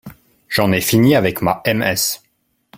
J'en ai fini avec ma M.S.